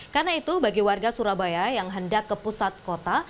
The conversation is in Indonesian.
karena itu bagi warga surabaya yang hendak ke pusat kota